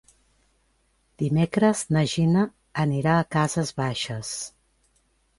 Dimecres na Gina anirà a Cases Baixes.